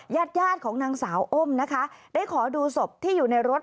ญาติของนางสาวอ้มได้ขอดูศพที่อยู่ในรถ